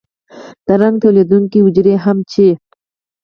د رنګ تولیدونکي حجرې هم چې